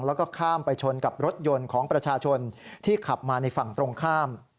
แล้วก็ข้ามไปชนกับรถยนต์ของประชาชนที่ขับมาในฝั่งตรงข้าม